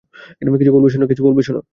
কিছু বলবে, সোনা?